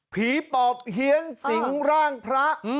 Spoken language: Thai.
ผีปอบเฮียงสิงห์ร่างพระ